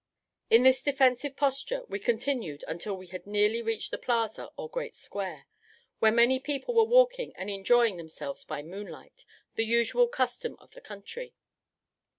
In this defensive posture we continued until we had nearly reached the plaza or great square, where many people were walking and enjoying themselves by moonlight, the usual custom of the country.